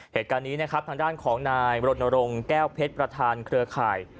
เหตุการณ์นี้นะครับทางด้านของนายบรณรงค์แก้วเพชรประธานเครือข่าย